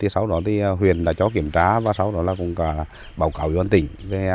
sau đó thì huyện đã cho kiểm tra và sau đó là báo cáo cho tỉnh